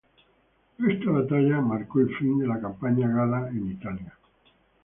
Esta batalla marcó el fin de la campaña gala en Italia.